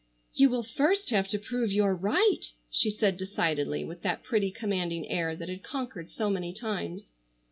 "You will first have to prove your right!" she said decidedly, with that pretty commanding air that had conquered so many times.